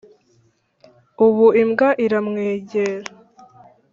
ubu imbwa iramwegera,